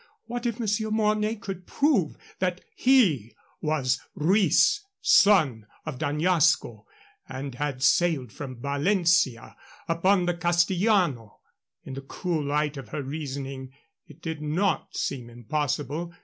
What if Monsieur Mornay could prove that he was Ruiz, son of D'Añasco, and had sailed from Valencia upon the Castillano?" In the cool light of her reasoning it did not seem impossible.